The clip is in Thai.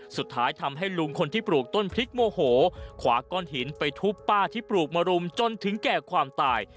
สุดท้ายทำให้ลุงคนที่ปลูกต้นพริกโมโหขวาก้อนหินไปทุบป้าที่ปลูกมารุมจนถึงแก่ความตาย